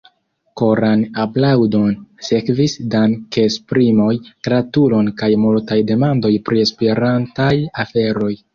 Koran aplaŭdon sekvis dankesprimoj, gratuloj kaj multaj demandoj pri Esperantaj aferoj.